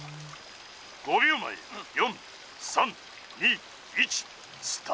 ５秒前４３２１スタート」。